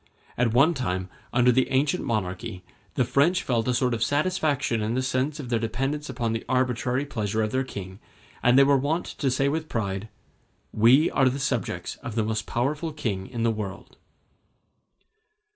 At one time, under the ancient monarchy, the French felt a sort of satisfaction in the sense of their dependence upon the arbitrary pleasure of their king, and they were wont to say with pride, "We are the subjects of the most powerful king in the world."